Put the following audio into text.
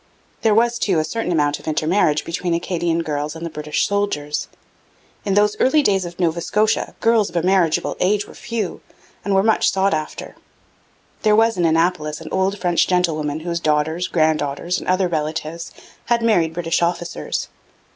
There was, too, a certain amount of intermarriage between Acadian girls and the British soldiers. In those early days of Nova Scotia, girls of a marriageable age were few and were much sought after. There was in Annapolis an old French gentlewoman 'whose daughters, granddaughters, and other relatives' had married British officers.